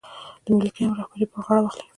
د ملي قیام رهبري پر غاړه واخلي.